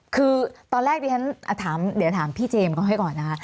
คือตอนแรกดิฉันเดี๋ยวถามพี่เจมส์เขาให้ก่อนนะคะ